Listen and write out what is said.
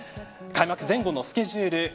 開幕前後のスケジュール